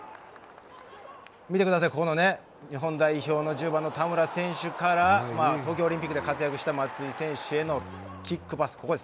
見てください、日本代表の１０番の田村選手から東京オリンピックで活躍した松井選手へのキックパス。